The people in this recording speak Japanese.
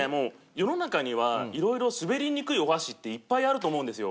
世の中にはいろいろ滑りにくいお箸っていっぱいあると思うんですよ。